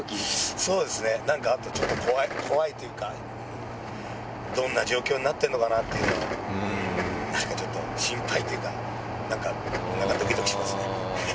そうですね、なんか、あとちょっと怖い、怖いというか、どんな状況になってるのかなっていうことと、なんかちょっと心配というか、なんかどきどきしますね。